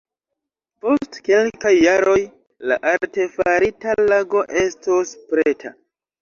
Post kelkaj jaroj la artefarita lago estos preta.